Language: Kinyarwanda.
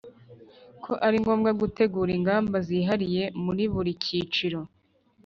ko ari ngombwa gutegura ingamba zihariye muri buri cyiciro.